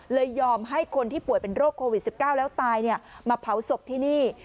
ยอมให้คนที่ป่วยเป็นโรคโควิด๑๙แล้วตายมาเผาศพที่นี่